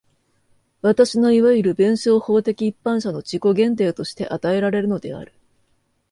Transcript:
私のいわゆる弁証法的一般者の自己限定として与えられるのである。